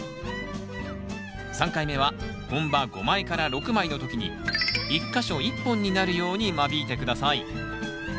３回目は本葉５枚から６枚の時に１か所１本になるように間引いて下さい。